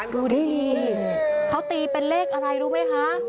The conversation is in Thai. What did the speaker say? ดูดิเขาตีเป็นเลขอะไรรู้ไหมคะ